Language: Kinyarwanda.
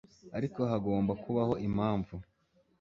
ariko hagomba kubaho impamvu